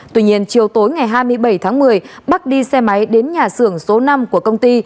tuy nhiên chiều tối ngày hai mươi bảy tháng một mươi bắc đi xe máy đến nhà xưởng số năm của công ty